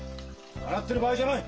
笑ってる場合じゃない。